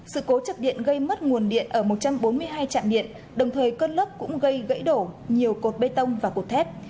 sự cố chập điện gây mất nguồn điện ở một trăm bốn mươi hai trạm điện đồng thời cơn lốc cũng gây gãy đổ nhiều cột bê tông và cột thép